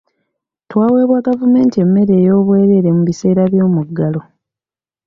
Twaweebwa gavumenti emmere ey'obwereere mu biseera by'omuggalo.